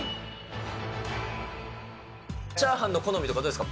チャーハンの好みとかどうですか？